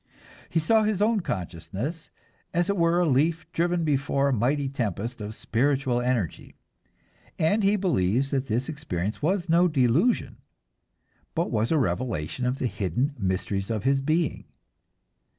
He saw his own consciousness, as it were a leaf driven before a mighty tempest of spiritual energy. And he believes that this experience was no delusion, but was a revelation of the hidden mysteries of being.